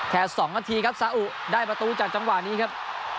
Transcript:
แค่๒นาทีครับสาอุได้ประตูจากจังหวะนี้ครับ